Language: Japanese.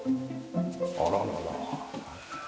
あららら。